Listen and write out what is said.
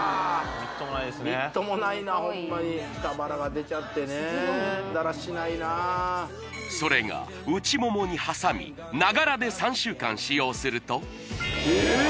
みっともないなホンマに下腹が出ちゃってねだらしないなあそれが内ももに挟みながらで３週間使用するとえーっ！